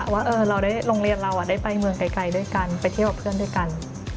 ว่าเราได้โรงเรียนเราได้ไปเมืองไกลด้วยกันไปเที่ยวกับเพื่อนด้วยกัน